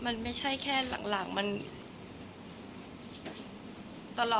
คนเราถ้าใช้ชีวิตมาจนถึงอายุขนาดนี้แล้วค่ะ